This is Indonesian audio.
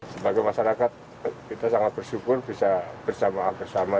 sebagai masyarakat kita sangat bersyukur bisa bersama sama